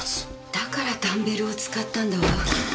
だからダンベルを使ったんだわ。